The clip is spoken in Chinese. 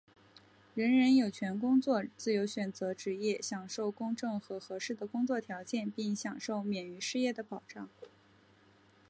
人人有权工作、自由选择职业、享受公正和合适的工作条件并享受免于失业的保障。